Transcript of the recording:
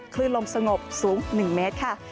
คลื่นลมสงบสูง๑เมตรค่ะ